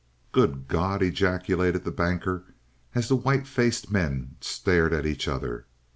"Good God!" ejaculated the Banker, as the white faced men stared at each other.